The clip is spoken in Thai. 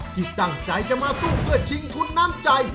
ที่ตั้งใจจะมาสู้เพื่อชิงทุนน้ำใจ